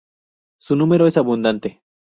Su número es abundante.